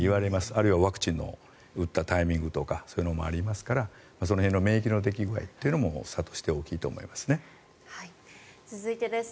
あとはワクチンを打ったタイミングとかそういうのもありますからその辺の免疫の出来具合というのも続いてです。